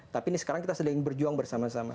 tapi ini sekarang kita sedang berjuang bersama sama